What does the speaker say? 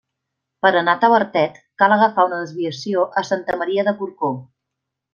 Per anar a Tavertet cal agafar una desviació a Santa Maria de Corcó.